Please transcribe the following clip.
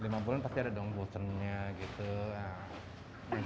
lima bulan pasti ada dong bosannya gitu gimana caranya itu supaya bu